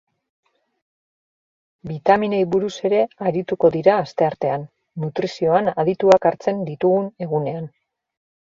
Bitaminei buruz ere arituko dira asteartean, nutrizioan adituak hartzen ditugun egunean.